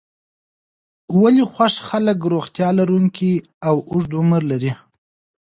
ولې خوښ خلک روغتیا لرونکی او اوږد عمر لري.